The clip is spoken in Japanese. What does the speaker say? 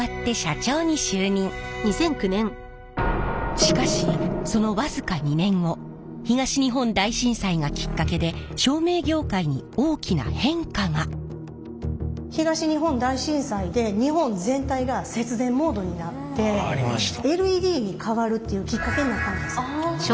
しかしその僅か２年後東日本大震災で日本全体が節電モードになってＬＥＤに代わるっていうきっかけになったんです。